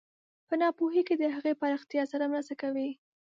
په ناپوهۍ کې د هغې پراختیا سره مرسته کوي.